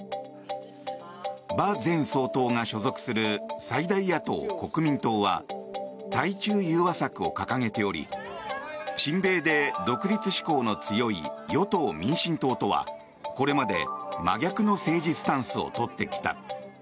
馬前総統が所属する最大野党・国民党は対中融和策を掲げており親米で独立志向の強い与党・民進党とはこれまで、真逆の政治スタンスをとってきた。